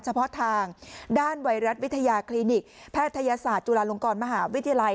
เฉพาะทางด้านไวรัสวิทยาคลินิกแพทยศาสตร์จุฬาลงกรมหาวิทยาลัย